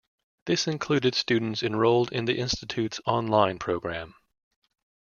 This included students enrolled in the institute's online program.